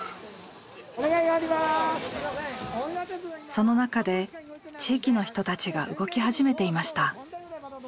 その中で地域の人たちが動き始めていました。